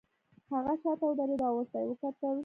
هغه شاته ودریده او ورته یې وکتل